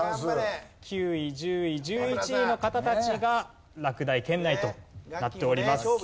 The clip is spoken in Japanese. ９位１０位１１位の方たちが落第圏内となっております。